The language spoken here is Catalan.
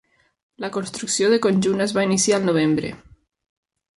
La construcció de conjunt es va iniciar al novembre.